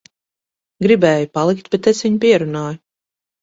Gribēja palikt, bet es viņu pierunāju.